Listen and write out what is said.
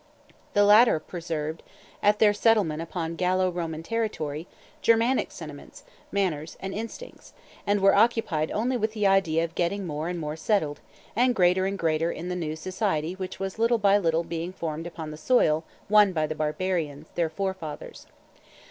The latter preserved, at their settlement upon Gallo Roman territory, Germanic sentiments, manners, and instincts, and were occupied only with the idea of getting more and more settled, and greater and greater in the new society which was little by little being formed upon the soil won by the barbarians, their forefathers.